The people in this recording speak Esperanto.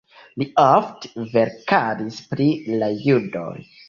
Li ofte verkadis pri la judoj.